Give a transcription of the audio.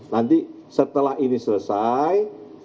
nanti setelah ini selesai